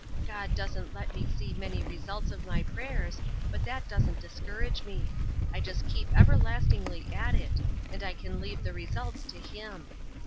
God doesn't let me see many results of my prayers, but that doesn't discourage me. I just keep everlastingly at it, and I can leave the results to Him.